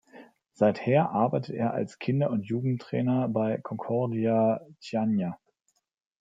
Seither arbeitet er als Kinder- und Jugendtrainer bei Concordia Chiajna.